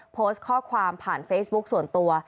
โพสต์ข้อความผ่านเฟซบุ๊คส่วนตัว